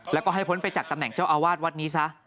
แล้วก็ให้พ้นไปจากตำแหน่งเจ้าอาวาสวัดนี้ซะ